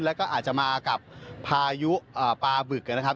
แล้วก็อาจจะมากับพายุปลาบึกนะครับ